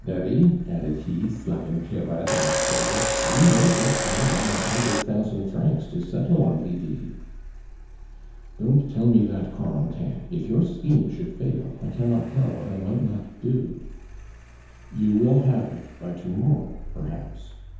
Daddy," added he, slapping Peyrade on the shoulder, "you may get more than a hundred thousand francs to settle on Lydie." "Don't tell me that, Corentin. If your scheme should fail, I cannot tell what I might not do " "You will have it by to morrow perhaps!